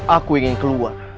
aku ingin keluar